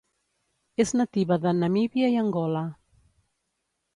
És nativa de Namíbia i Angola.